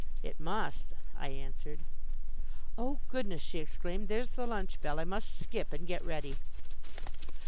"It must," I answered. "Oh, goodness," she exclaimed, "there's the lunch bell. I must skip and get ready."